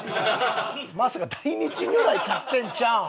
まさか大日如来買ってんちゃうん？